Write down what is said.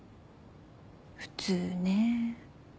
普通ね。